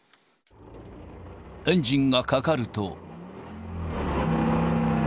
エンジンがかかると。